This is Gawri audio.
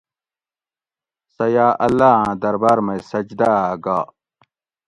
سہ یا اللّٰہ آن دربار مئ سجدہ ھہ گا